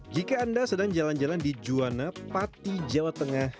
jika anda sedang jalan jalan di juana pati jawa tengah